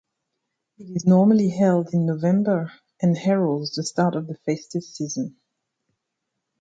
It is normally held in November and heralds the start of the festive season.